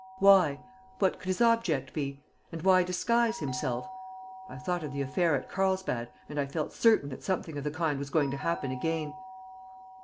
Why? What could his object be? And why disguise himself? I thought of the affair at Carlsbad, and I felt certain that something of the kind was going to happen again!"